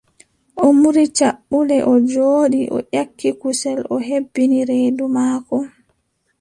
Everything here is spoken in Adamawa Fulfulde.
O muuri caɓɓule, o jooɗi o ƴakki kusel, o hebbini reedu maako.